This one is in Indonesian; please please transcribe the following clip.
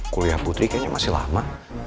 kuliah putri kayaknya masih lama